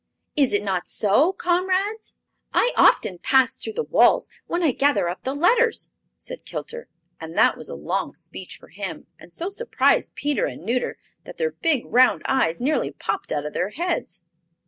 Is it not so, comrades?" "I often pass through the walls when I gather up the letters," said Kilter, and that was a long speech for him, and so surprised Peter and Nuter that their big round eyes nearly popped out of their heads.